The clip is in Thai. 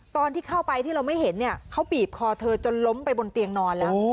ตอนที่เข้าไปที่เราไม่เห็นเนี่ยเขาบีบคอเธอจนล้มไปบนเตียงนอนแล้ว